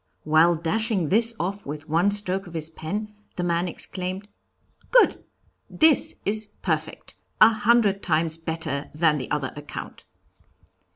"While dashing this off with one stroke of his pen, the man exclaimed: 'Good! this is perfect! a hundred times better than the other account.'